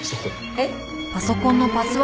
えっ？